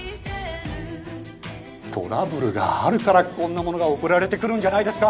・トラブルがあるからこんなものが送られてくるんじゃないですか？